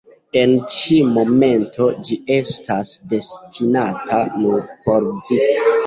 En ĉi momento ĝi estas destinata nur por vi.